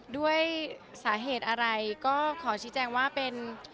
ด้วยสาเหตุอะไรก็ขอชี้แจงว่าเป็น